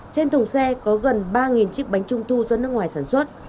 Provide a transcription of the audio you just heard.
trên thùng xe có gần ba chiếc bánh trung thu do nước ngoài sản xuất